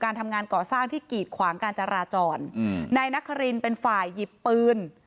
ทำงานก่อสร้างที่กีดขวางการจราจรอืมนายนครินเป็นฝ่ายหยิบปืน